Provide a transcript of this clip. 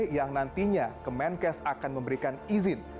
yang nantinya kemenkes akan memberikan izin